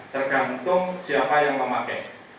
tergantung siapa yang memakai